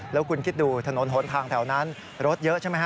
แล้วคุณคิดดูถนนหนทางแถวนั้นรถเยอะใช่ไหมฮะ